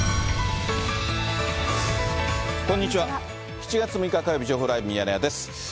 ７月６日火曜日、情報ライブミヤネ屋です。